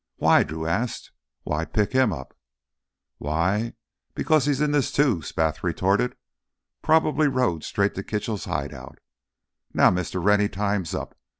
"Why?" Drew asked. "Why pick him up?" "Why? Because he's in this, too!" Spath retorted. "Probably rode straight to Kitchell's hideout. Now, Mr. Rennie, time's up.